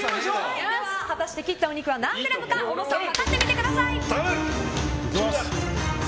果たして切ったお肉は何グラムか重さを量ってみてください！